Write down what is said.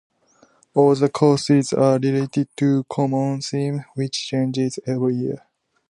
All the courses are related to a common theme, which changes every year.